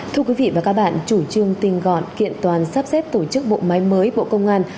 thưa quý vị và các bạn chủ trương tinh gọn kiện toàn sắp xếp tổ chức bộ máy mới bộ công an